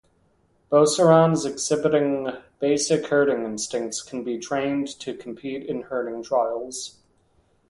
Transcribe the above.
Beaucerons exhibiting basic herding instincts can be trained to compete in herding trials.